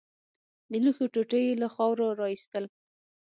د لوښو ټوټې يې له خاورو راايستل.